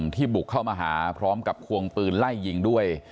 ที่บุกเข้ามาหาพร้อมกับควงปืนไล่ยิงด้วย